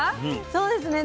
そうですね。